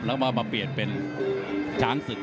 แล้วมาเปลี่ยนเป็นช้างศึก